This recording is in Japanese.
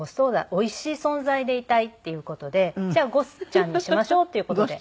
おいしい存在でいたいっていう事でじゃあ「ゴスちゃん」にしましょうっていう事で。